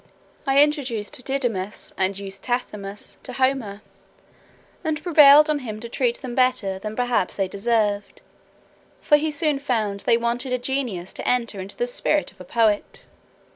I introduced Didymus and Eustathius to Homer, and prevailed on him to treat them better than perhaps they deserved, for he soon found they wanted a genius to enter into the spirit of a poet.